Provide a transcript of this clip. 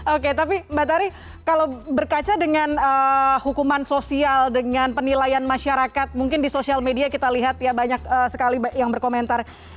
oke tapi mbak tari kalau berkaca dengan hukuman sosial dengan penilaian masyarakat mungkin di sosial media kita lihat ya banyak sekali yang berkomentar